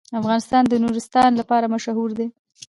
افغانستان د نورستان لپاره مشهور دی.